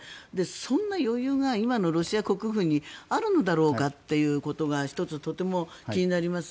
そんな余裕が今のロシア国軍にあるんだろうかということが１つ、とても気になります。